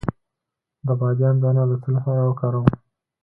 د بادیان دانه د څه لپاره وکاروم؟